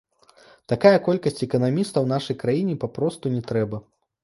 Такая колькасць эканамістаў нашай краіне папросту не трэба.